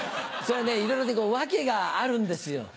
それはねいろいろと訳があるんですよ。